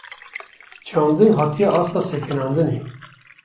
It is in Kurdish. Çandin, hatiye asta sekinandinê